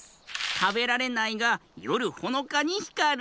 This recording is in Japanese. たべられないがよるほのかにひかる。